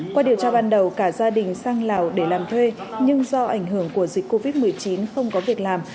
qua điều tra ban đầu cả gia đình sang lào để làm thuê nhưng do ảnh hưởng của dịch covid một mươi chín không có việc làm